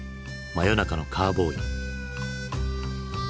「真夜中のカーボーイ」。